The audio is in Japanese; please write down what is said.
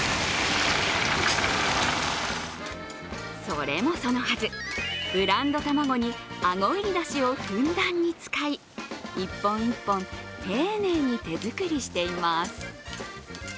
それもそのはず、ブランド卵にあご入りだしをふんだんに使い一本一本、丁寧に手作りしています。